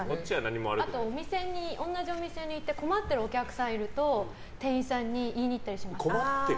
あと、同じお店にいて困ってるお客さんいると店員さんに言いに行ったりします。